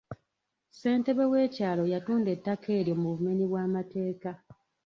Ssentebe w'ekyalo yatunda ettaka eryo mu bumenyi bw'amateeka.